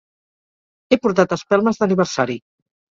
He portat espelmes d'aniversari.